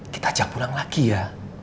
kita ajak pulang lagi ya